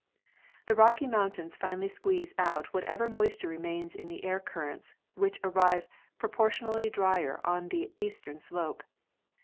"The Rocky mountains finally squeeze out whatever moisture remains in the air currents, which arrive proportionally drier on the eastern slope.